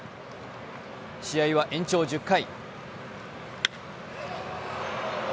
試合は延長１０回。